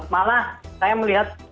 malah saya melihat